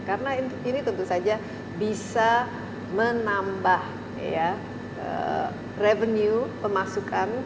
karena ini tentu saja bisa menambah revenue pemasukan